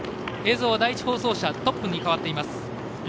映像は第１放送車のトップに変わっています。